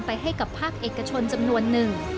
ให้กับภาคเอกชนจำนวนหนึ่ง